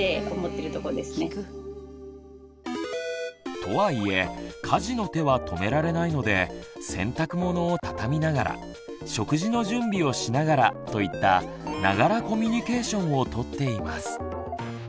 とはいえ家事の手は止められないので洗濯物を畳みながら食事の準備をしながらといった「ながらコミュニケーション」をとっています。